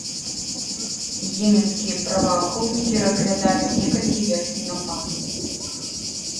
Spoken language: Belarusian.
Йеменскія праваахоўнікі разглядаюць некалькі версій нападу.